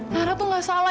nara tuh nggak salah